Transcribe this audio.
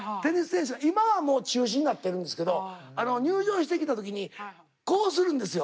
今はもう中止になってるんですけど入場してきた時にこうするんですよ